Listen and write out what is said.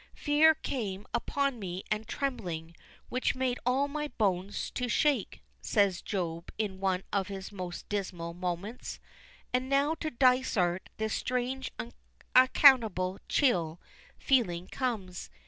"Fear came upon me and trembling, which made all my bones to shake," says Job in one of his most dismal moments; and now to Dysart this strange, unaccountable chill feeling comes.